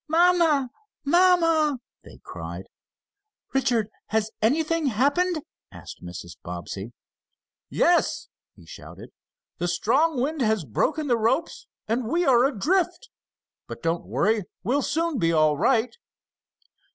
"Mamma! Mamma!" they cried. "Richard, has anything happened?" asked Mrs. Bobbsey. "Yes!" he shouted. "The strong wind has broken the ropes, and we are adrift. But don't worry. We'll soon be all right!"